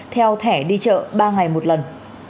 theo thẻ đi chợ ba ngày một lần